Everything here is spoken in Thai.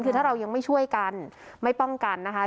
คือถ้าเรายังไม่ช่วยกันไม่ป้องกันนะคะ